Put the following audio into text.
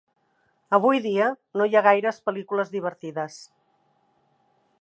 Avui dia, no hi ha gaires pel·lícules divertides.